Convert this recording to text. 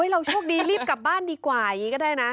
เราโชคดีรีบกลับบ้านดีกว่าอย่างนี้ก็ได้นะ